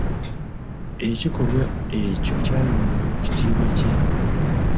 Ekikolwa ekyo kyayongera ku kitiibwa kye.